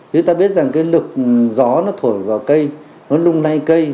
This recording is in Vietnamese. người ta biết rằng cái lực gió nó thổi vào cây nó lung lay cây